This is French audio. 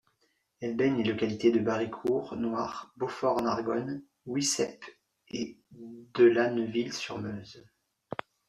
Elle baigne les localités de Barricourt, Nouart, Beaufort-en-Argonne, Wiseppe et de Laneuville-sur-Meuse.